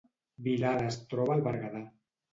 Vilada es troba al Berguedà